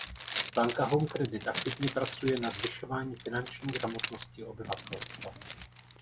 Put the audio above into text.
Banka Home Credit aktivně pracuje na zvyšování finanční gramotnosti obyvatelstva.